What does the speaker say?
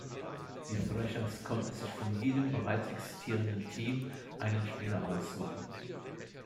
Die Thrashers konnten sich von jedem bereits existierenden Team einen Spieler aussuchen.